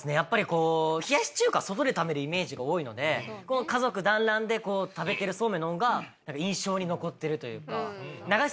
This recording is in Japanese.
冷やし中華外で食べるイメージが多いので家族だんらんで食べてるそうめんの方が印象に残ってるというか。